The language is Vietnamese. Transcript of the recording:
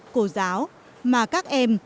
cô giáo mà các em